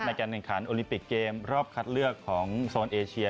การแข่งขันโอลิปิกเกมรอบคัดเลือกของโซนเอเชีย